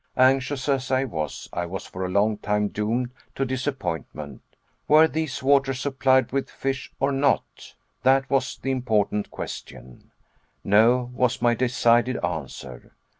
Anxious as I was, I was for a long time doomed to disappointment. Were these waters supplied with fish or not? That was the important question. No was my decided answer.